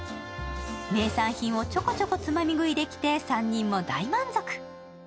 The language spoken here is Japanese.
名産品をちょこちょこつまみ食いできて３人も大満足。